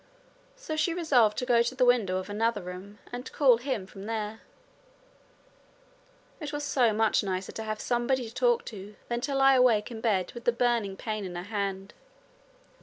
So she resolved to go to the window of another room, and call him from there. It was so much nicer to have somebody to talk to than to lie awake in bed with the burning pain in her hand.